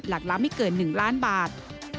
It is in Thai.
หลักล้านไม่เกิน๑ล้านบาท